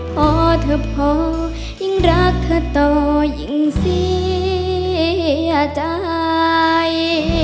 พอเธอพอยิ่งรักเธอต่อยิ่งเสียใจ